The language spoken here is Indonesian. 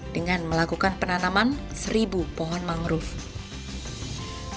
dengan melakukan penanaman seribu pohon mangrove